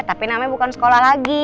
tapi namanya bukan sekolah lagi